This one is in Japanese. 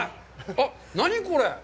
あっ、何、これ！？